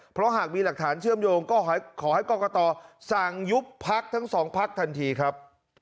เพราะหากมีหลักฐานเชื่อมโยงก็ขอให้กรกตสั่งยุบพักทั้งสองพักทันทีครับ